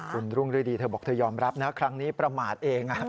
คุณรุ่งฤดีเธอบอกเธอยอมรับนะครั้งนี้ประมาทเอง